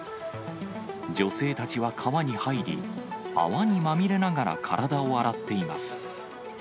女性たちは川に入り、泡にまみれながら体を洗っています。